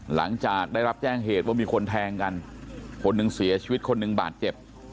หลังจากได้รับแจ้งเหตุว่ามีคนแทงกันคนหนึ่งเสียชีวิตคนหนึ่งบาดเจ็บ